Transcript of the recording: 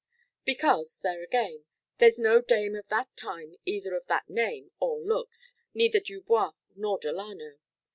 "Because, there again there's no dame of that time either of that name or looks neither Dubois nor Delano.